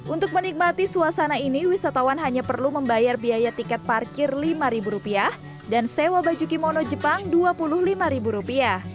untuk menikmati suasana ini wisatawan hanya perlu membayar biaya tiket parkir rp lima dan sewa baju kimono jepang rp dua puluh lima